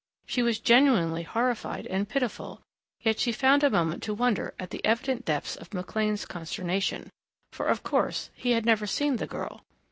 She was genuinely horrified and pitiful, yet she found a moment to wonder at the evident depths of McLean's consternation. For of course he had never seen the girl.